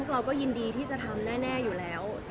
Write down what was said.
เราก็ยินดีที่จะทำแน่อยู่แล้ว